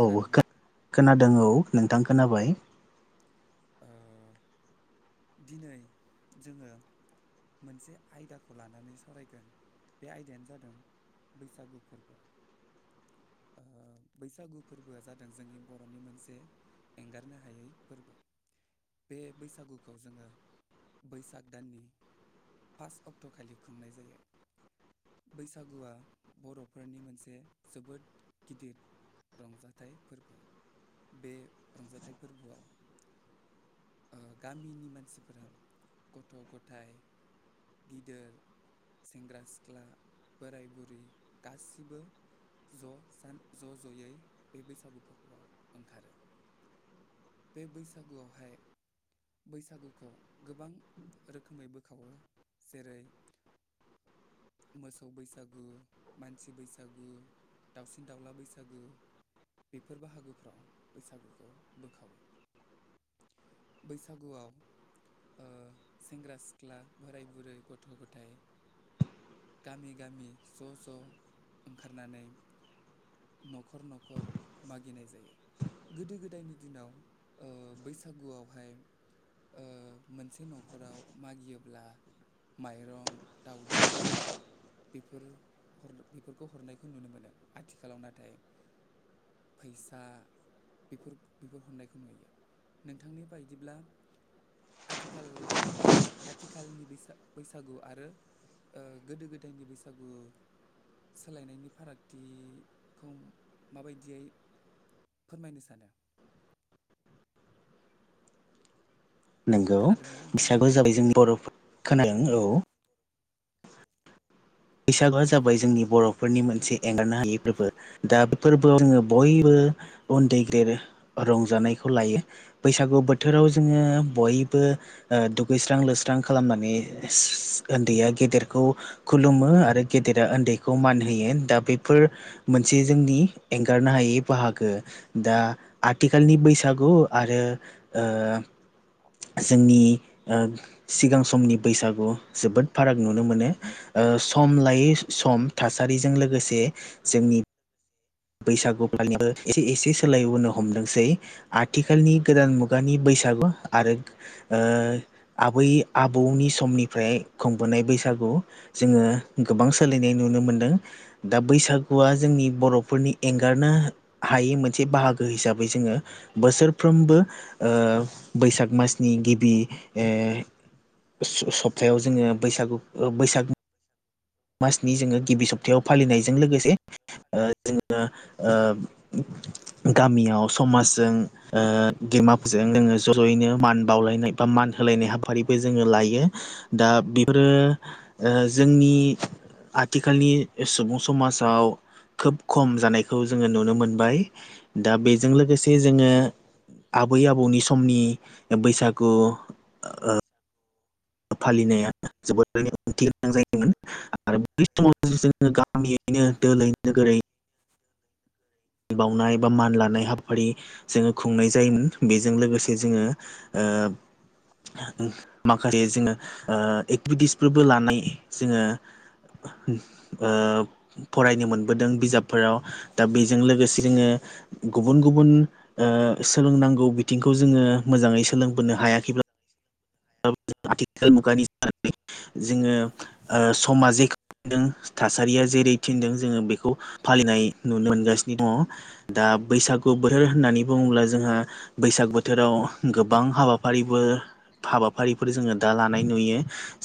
औ खोनादों औ नोंथां खोनाबाय ओ दिनै जोंङो मोनसे आयदाखौ लानानै सावरायगोन बे आयदायानो जादों बैसागु फोरबो ओ बैसागु फोरबोआ जादों जोंनि बर'नि मोनसे एंगारनो हायै फोरबो बे बैसागु खौ जोंङो बैसाग दाननि फास अक्ट खालि खुंनाय जायो। बैसागुआ बर'फोरनि मोनसे जोबोद गिदिर रंजाथाइ फोरबो बे रंजाथाइ फोरबोआव गामिनि मानसिफोरा गथ' गथायाइ गिदिर सेंग्रा सिख्ला बोराय बुरै गासिबो ज' सान ज' ज'यै बे बैसागु फोरबोआव ओंखारो बे बैसागुआवहाय बैसागुखौ गोबां रोखोमै बोखावो जेरै मोसौ बैसागो मानसि बैसागो दाउसिन दाउला बैसागु बेफोर बाहागोफ्राव बैसागुखौ बोखावो [inaudible] बैसागुआव ओ सेंग्रा सिख्ला बोराय बुरै गथ' गथाय गामि गामि ज' ज' ओंखारनानै न'खर न'खर मागिनाय जायो गोदो गोदायनि दिनाव ओ बैसागुआवहाय ओ- मोनसे न'खराव मागियोब्ला। माइरं दाावदै बे बेफोरखौ हरनायखौ नुनो मोनो आथिखालाव नाथाय। फैसा बेफोर बेफोर हनाय नुयो नोंथांनि बायदिब्ला आथिखाल आथिखालनि बैसागु आरो। ओ- गोदो गोदायनि बैसागु सोलायनायनि फारागथिखौ माबायदियै। फोरमायनो सानो। नंगौ खोनादोंना नोंथाङा? बिसागो जाबाय जोंनि बर' खोनादों औ [unintelligible] बैसागुआ जाबाय जोंनि बर'फोरनि मोनसे एंगारनो हायि फोरबो दा बे फोरबोआव आङो बयबो। उन्दै गेेर रंजानायखौ लायो बैसागु बोथोराव जोङो बयबो। ओ- दुगैसां लस्रां खालामनानै उन्दैया गेदेरखौ खुलुमो। आरो गेदेरा उन्दैखौ मान होयो दा बेफोर मोनसे जोंनि एंगारनो हायै बाहाग दा आथिखालनि बैसागु आरो ओ- जोंनि ओ- सिगां समनि बैसागु जोबोद फाराग नुनो मोनो ओ- सम लायै सम थासारिजों लोगोसे जोंनि बैसागु फालि एसे एसे सोलायबोनो हमदोंसै आथिखालनि गोदान मुगानि। बैसागु आरो ओ- आबै आबौनि समनिफ्राय खुंबोनाय बैसागु जोङो गोबां सोलायनाय नुनो मोनदों दा बैसागुआ। जोंनि बर'फोरनि एंगारनो हायै मोनसे बाहागो हिसाबै जोङो बोसोरफ्रोमबो। आ माजनि गिबि ओ- सप्तायाव जोङो बैसागु बैसाग। मासनि जोङो गिबि सप्तायाव फालिनायजों लोगोसे ओ- जोङो ओ- गामियाव समाजजों। ओ- गेमाफोरजों जोङो ज' ज'यैनो मान बावलायनाय बा मान होलायनाय हाफारिबो जोङो लायो। [unintelligible] दा बेफोरो ओ- जोंनि आथिखालनि सुबुं समाजाव। खोब खम जानायखौ जोङो नुनो मोनबाय दा बेजों लोगोसे जोङो। आबै आबौनि समनि बैसागु ओ- फालिनाया जोबोरैनो ओंथि गोनां जायोमोन आरो बे समाव गामि [unintelligible] नो दोलै नोगोरै। बावनाय बा मान लानाय। हाबाफारि जोङो खुंनाय जायोमोन बेजों लोगोसे जोङो ओ- माखासे जोङो ओ- एक्टिभिटिसफोरबो लानाय जोङो ओ फरायनो मोनबोदों बिजाबफोराव दा बे लोगोसे जोङो गुबुन गुबुन ओ सोलोंनांगौ बिथिंखौ जोङो मोजाङै सो लोंबोनो हायाखैब्ला। औ आथिखाल मुगानि जोङो समा जे थासारिया जे जेरै थिनदों जोङो बेखौ फालिनाय नुनो मोनगासिनो दङ' दा बैसागु बोथोर होननानै। नै बुङोब्ला जोंहा बैसाग बोथोराव गोबां हाबाफारिबो। हाबाफारिफोर जोङो दा लानाय नुयो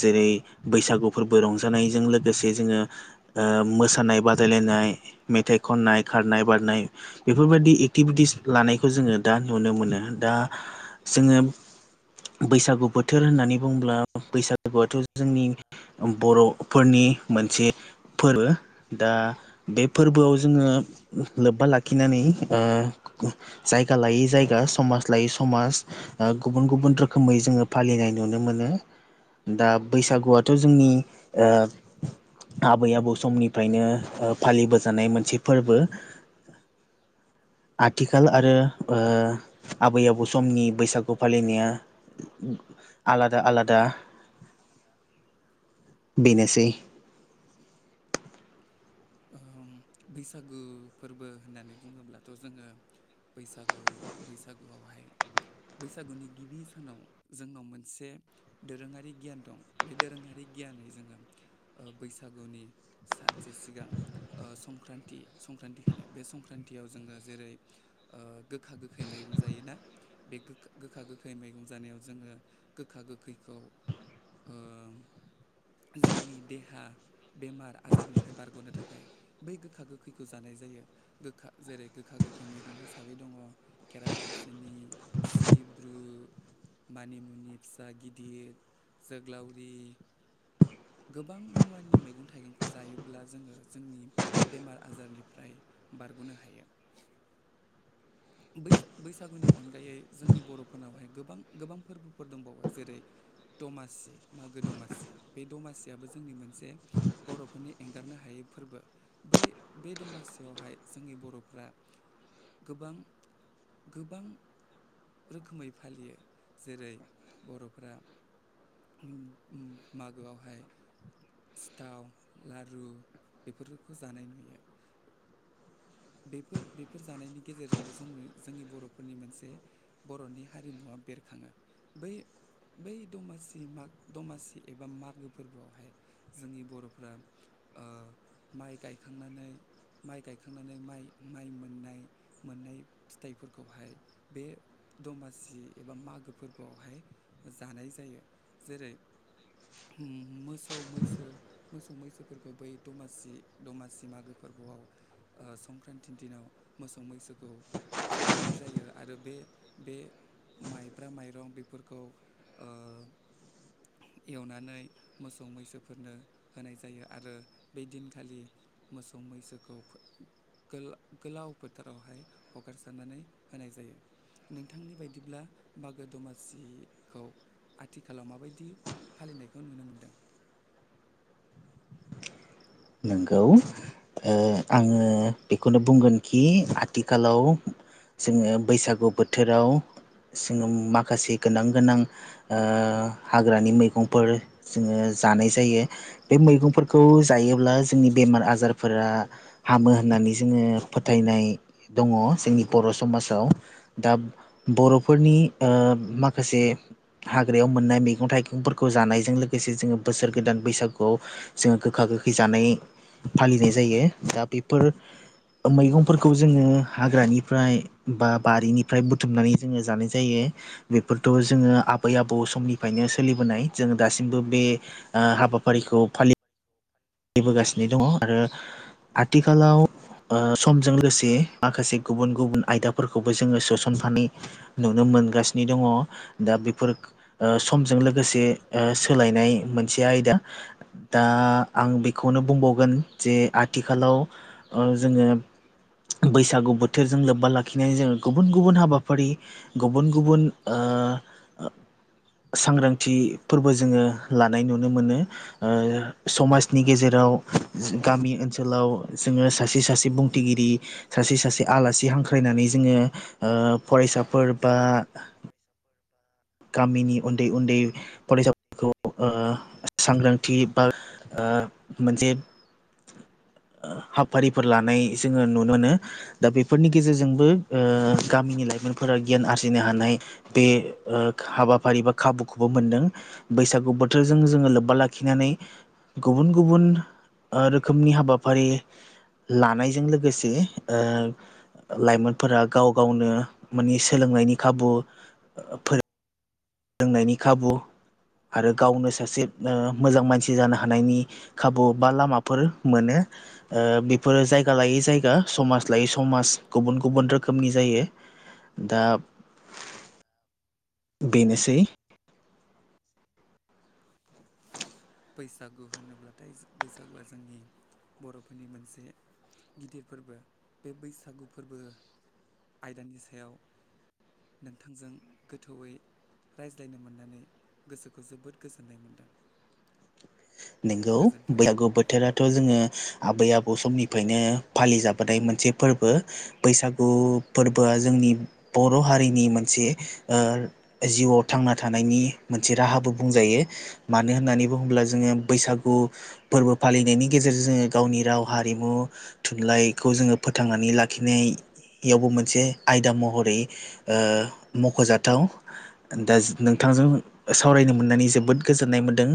जेरै बैसागुफोरबो रंजानायजों लोगोसे जोङो। ओ मोसानाय बादायलायनाय मेथाइ खननाय खारनाय बारनाय बेफोरबायदि। दि एक्टिभिटिस लानायखौ जोङो दा नुनो मोनो दा जोङो। बैसागु बोथोर होननानै बुङोब्ला बैसागुआथ' जोंनि बर'फोरनि। मोनसे फोरबो दा बे फोरबोआव जोङो लोब्बा लाखिनानै ओ जायगा लायै जायगा समाज लायै समाज ओ गुबुन गुबुन रोखोम खोमै जोङो फालिनाय नुनो मोनो। दा बैसागुआथ' जोंनि ओ आबै आबौ समनिफ्रायनो ओ फालिबोजानाय मोनसे फोरबो आथिखाल आ रो ओ आबै आबौ समनि बैसागु फालिनाया आलादा आलादा बेनोसै ओम बैसागु फोरबो होननानै बुङोब्लाथ' जोङो बैसागु बैसागुआवहाय बैसागुनि गिबि सानाव जोंनाव मोनसे दोरोङारि गियान दं बे दोरोङारि गियानै जोङो ओ बैसागुनि सानसे सिगां संक्रान्ति सं संक्रान्ति होनो बे संक्रान्तियाव जोङो जेरै ओ गोखा गोखै मैगं जायोना बे गो-गोखा गोखै मैगं जानायाव जोङो गोखा गोखैखौ ओ [inaudible] जोंनि देहा बेमार आजारनिफ्राय बारग'नो थाखाय बै गोखा गोखैखौ जानाय जायो गोखा जेरै गोखा गोखै मैगं हिसाबै दङ केरा दाबसिनि सिब्रु मानिमुनि फिसा गिदिर जोग्लावरि गोबां मुवानि मैगं थाइगंखौ जायोब्ला जोङो जोंनि बेमार आजारनिफ्राय बारग'नो हायो। [inaudible] बैस-बैसागुनि अनगायै जोंनि बर'फोरनावहाय गोबां गोबां फोरबोफोर दंबावो जेरै दमासि मागो दमासि बे दमासियाबो जोंनि मोनसे बर'फोरनि एंगारनो हा यै फोरबो बै बे दमासियावहाय जोंनि बर'फ्रा गोबां गोबां रोखोमै फालियो जेरै बर'फोरा मागोआवहाय सिथाव लारु बेफोरखौ जानाय नुयो। बेफोर बेफोर जानायनि गेजेरजोंबो जों जोंनि बर'फोरनि मोनसे बर'नि हारिमुवा बेरखाङो बै बै दमासि माग दमासि एबा मागो फोरबोआवहाय जोंनि बर'फ्रा ओ माइ गायखांनानै माइ गायखां नै माइ माइ मोननाय मोननाय फिथाइफोरखौहाय बे दमासि एबा मागो फोरबोआवहाय जानाय जायो जेरै मोसौ मैसो मोसौ मैसोफोरखौ बै दमासि दमासि मागोफो आव ओ संक्रान्ति दिनाव मोसौ मैसोखौ थुखैनाय जायो आरो बे बे माइब्रा माइरं बेफोरखौ ओ एवनानै मोसौ मैसोफोरनो होनाय जायो आरो बे दिनखालि मोसौ मैसोखौ गोला गोलाव फोथारावहाय हगारसारनानै होनाय जायो। नोंथांनि बायदिब्ला मागो दमासिखौ आथिखालाव माबायदि फालिनायखौ नुनो मोनदों। [unintelligible] नोंगौ ओ आङो बेखौनो बुंगोनखि आथिखालाव जोङो बैसागु बोथोराव जोङो माखासे गोनां गोनां ओ हाग्रानि मैगंफोर जोङो जानाय जायो बे मैगंफोरखौ जायो ब्ला जोंनि बेमार आजारफोरा हामो होननानै जोङो फोथायनाय दङ जों बर' समाजाव दा बर'फोरनि ओ माखासे हाग्रा बेयाव मोननाय मैगं थाइगंफोरखौ जानायजों लोगोसे जोङो बोसोर गोदान बैसागुआव जोङो गोखा गोखै जानाय फालिनाय जायो दा बेफोर मैगंफोरखौ जोङो हाग्रानिफ्राय बा बारिनिफ्राय बुथुमनानै जोङो जानाय जायो। बेफोरखौ जोङो आबै आबौ समनिफ्रायनो सोलिबोनाय जों दासिमबो बे ओ हाबाफारिखौ फालिबोगासिनो दङ आरो आथिखालाव ओ समजों लोगोसे माखासे गुबुन गुबुन आयदाफोरखौबो जोङो सोसन फानि नुनो मोनगासिनो दङ दा बेफोर समजों लोगोसे ओ सोलायनाय मोनसे आयदा दा आं बेखौनो बुंबावगोन जे आथिखालाव ओ जोङो, बैसागु बोथोरजों लोब्बा लाखिनानै जोङो गुबुन गुबुन हाबाफारि गुबुन गुबुन ओ ओ, सांग्रांथि फोरबो जोङो लानाय नुनो मोनो, ओ सप नि गेजेराव जि गामि ओनसोलाव, जोङो सासे सासे बुंथिगिरि सासे सासे आलासि हांख्रायनानै जोङो ओ फरायसाफोर बा, फरायसाफोर गामिनि उन्दै उन्दै फरायसाफोरखौ ओ सांग्रांथि बा ओ मोनसे ओ हाबाफारिफोर लानाय जोङो नुनो मोनो दा बेफोरनि गेजेरजोंबो ओ गामिनि लाइ लाइमोनफोरा गियान आरजिनो हानाय बे ओ हाबाफारि बा खाबुखौबो मोनदों बैसागु बोथोरजों जोङो लोब्बा लाखिनानै गुबुन गुबुन ओ रोखोमनि हाबाफारि लानायजों लोगोसे ओ लाइमोनफोरा गाव गावनो मानि सोलोंनायनि खाबु ओ फोरों रोंनायनि खाबु आरो गावनो सासे ओ मोजां मानसि जानो हानायनि खाबु बा लामाफोर मोनो। ओ बेफोरो जायगा लायै जायगा समाज लायै समाज गुबुन गुबुन रोखोमनि जायो। दा बेनोसै। बैसागु होनोब्लाथाय जों बैसागुआ जोंनि बर'फोरनि मोनसे गिदिर फोरबो बे बैसागु फोरबो आयदानि सायाव नोंथांजों गोथौयै, रायज्लायनो मोननानै गोसोखौ जोबोद गोजोननाय मोनदों। नोंगौ गोजोन्थों बैसागु बोथोराथ' जोङो आबै आबौ समनिफायनो फालिजाबोनाय मोनसे फोरबो। बैसागु फोरबोआ जों नि बर' हारिनि मोनसे ओ जिउआव थांना थानायनि मोनसे राहाबो बुंजायो। मानो होननानै बुङोब्ला जोङो बैसागु फोरबो फालिनायनि गेजेरजों जोङो गावनि राव, हारिमु, थुनलाइखौ जोङो, फोथांनानै लाखिनाय एयावबो मोनसे आयदा महरै ओ मख'जाथाव दा [unintelligible] नोंथांजों सावरायनो मोननानै जोबोद गोजोननाय मोन्दों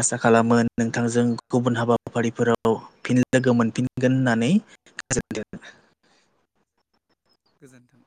आसा खालामो नोंथांजों गुबुन हाबाफारिफोराव फिन लोगो मोनफिनगोन होननानै दे। गोजोन्थों।